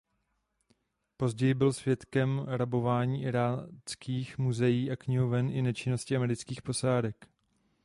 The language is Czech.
Později byl svědkem rabování iráckých muzeí a knihoven i nečinnosti amerických posádek.